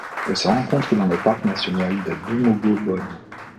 Elle se rencontre dans le parc national de Dumogo Bone.